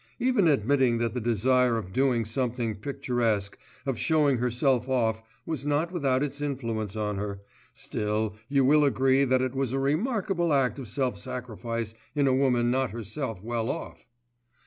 Even admitting that the desire of doing something picturesque, of showing herself off, was not without its influence on her, still you will agree that it was a remarkable act of self sacrifice in a woman not herself well off!